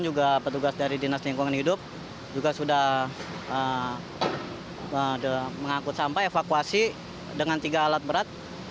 juga petugas dari dinas lingkungan hidup juga sudah mengangkut sampah evakuasi dengan tiga alat berat